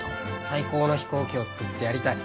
最高の飛行機を作ってやりたい。